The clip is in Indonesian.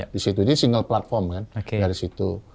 disitu ini single platform kan dari situ